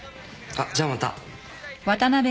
あっじゃあまた。